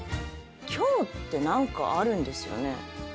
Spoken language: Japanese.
きょうって何かあるんですよね？